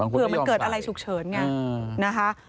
เผื่อมันเกิดอะไรฉุกเฉินไงนะคะ